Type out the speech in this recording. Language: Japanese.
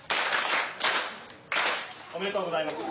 ・おめでとうございます・